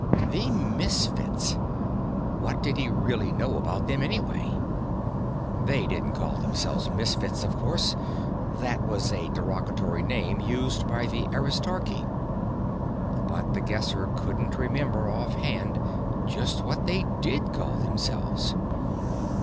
The Misfits. What did he really know about them, anyway? They didn't call themselves Misfits, of course; that was a derogatory name used by the Aristarchy. But the Guesser couldn't remember off hand just what they did call themselves.